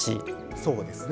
そうですね。